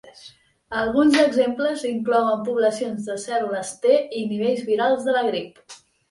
Alguns exemples inclouen poblacions de cèl·lules T i nivells virals de la grip.